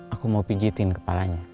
aku mau pijetin kepalanya